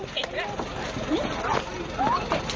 เก่งหรอ